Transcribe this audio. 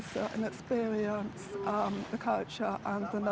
saya pikir beberapa tahun